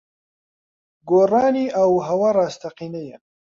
گۆڕانی ئاووھەوا ڕاستەقینەیە.